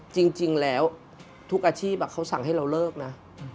จริงแล้วทุกอาชีพเขาสั่งให้เราเลิกนะ